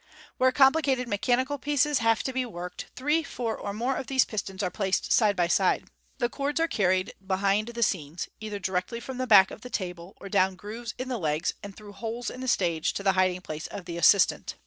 Where complicated me chanical pieces have to be worked, three, four, or more of these pistons are placed side by side. The cords are carried behind the scenes, either directly from the back of Fig. 279. the table, or down grooves in the legs, and through holes in the stage to the hiding place of the assistant.